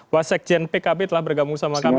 wasek jendpek kb telah bergabung sama kami